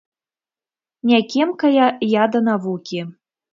Не кемкая я да навукі.